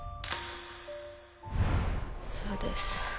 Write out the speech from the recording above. そうです。